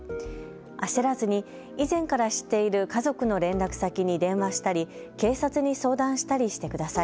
焦らずに以前から知っている家族の連絡先に電話したり警察に相談したりしてください。